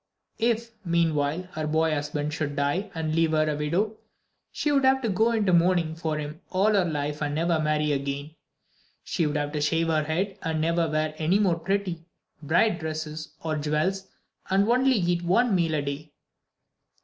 If, meanwhile, her boy husband should die and leave her a widow, she would have to go into mourning for him all her life and never marry again. She would have to shave her head and never wear any more pretty, bright dresses or jewels, and only eat one meal a day.